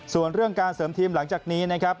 ส่วนเรื่องการเสริมทีมหลังจากนี้นะครับ